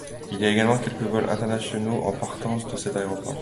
Il y a également quelques vols internationaux en partance de cet aéroport.